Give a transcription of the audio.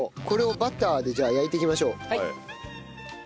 これをバターでじゃあ焼いていきましょう。